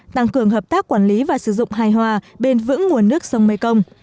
tăng cường hợp tác quản lý và sử dụng hài hòa bền vững nguồn nước sông mekong